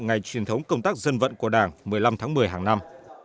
ngày truyền thống công tác dân vận của đảng một mươi năm tháng một mươi hàng năm